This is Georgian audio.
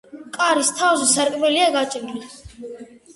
კარის თავზე სარკმელია გაჭრილი.